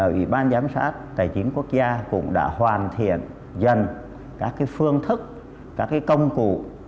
ủy ban giám sát tài chính quốc gia cũng đã hoàn thiện dần các phương thức các công cụ